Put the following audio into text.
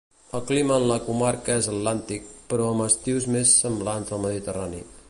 El clima en la comarca és atlàntic però amb estius més semblants al mediterrani.